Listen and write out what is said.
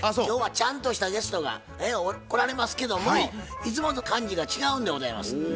今日はちゃんとしたゲストが来られますけどもいつもと感じが違うんでございます。